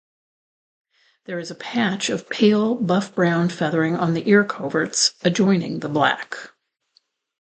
There is a patch of pale buff-brown feathering on the ear-coverts, adjoining the black.